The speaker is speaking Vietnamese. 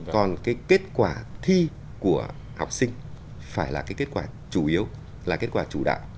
còn cái kết quả thi của học sinh phải là cái kết quả chủ yếu là kết quả chủ đạo